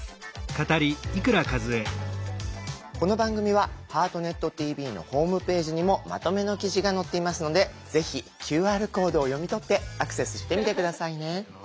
この番組は「ハートネットＴＶ」のホームページにもまとめの記事が載っていますのでぜひＱＲコードを読み取ってアクセスしてみて下さいね。